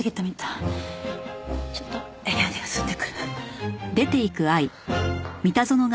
ちょっと部屋で休んでくる。